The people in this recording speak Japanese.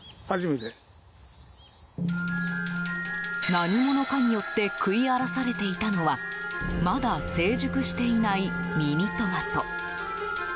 何者かによって食い荒らされていたのはまだ成熟していないミニトマト。